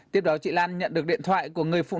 tiếp đó chị lan nhận được điện thoại của người phụ nữ